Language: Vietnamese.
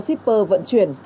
shipper vận chuyển